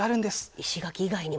石垣以外にも？